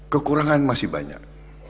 kekurangan masih banyak